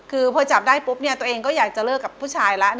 คือพอจับได้ปุ๊บเนี่ยตัวเองก็อยากจะเลิกกับผู้ชายแล้ว